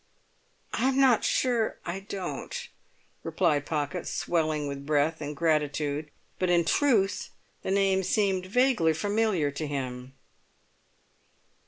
"I'm not sure I don't," replied Pocket, swelling with breath and gratitude; but in truth the name seemed vaguely familiar to him.